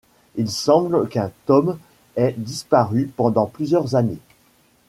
Il semble qu'un tome ait disparu pendant plusieurs années.